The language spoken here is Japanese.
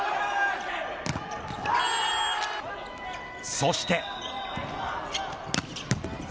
そして。